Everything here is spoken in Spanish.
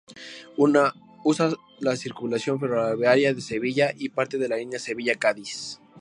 Usa la circunvalación ferroviaria de Sevilla y parte de la línea Sevilla-Cádiz.